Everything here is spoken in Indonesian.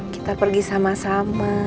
kita pergi sama sama